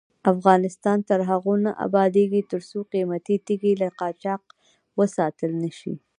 افغانستان تر هغو نه ابادیږي، ترڅو قیمتي تیږې له قاچاق وساتل نشي.